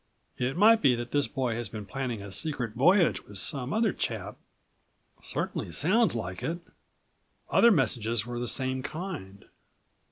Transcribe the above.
It might be that this boy has been planning a secret voyage with some other chap. Certainly sounds like it. Other messages were the same kind.